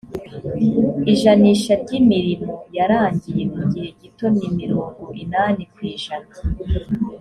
ijanisha ry’imirimo yarangiye mu gihe gito ni mirongo inani ku ijana